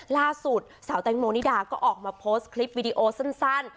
ล่าสุดสาวแตงโมนิดาก็ออกมาโพสต์คลิปวิดีโอสั้น